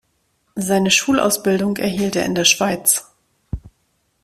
Seine Schulausbildung erhielt er in der Schweiz.